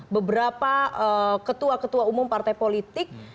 beberapa ketua ketua umum partai politik